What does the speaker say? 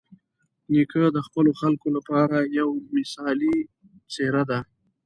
نیکه د خپلو خلکو لپاره یوه مثالي څېره ده.